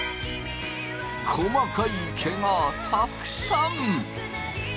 細かい毛がたくさん。